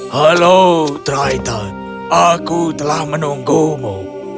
halo triton aku telah menunggumu